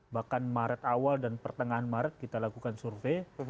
bahkan maret awal dan pertengahan maret kita lakukan survei